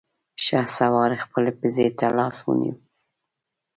شهسوار خپلې پزې ته لاس ونيو.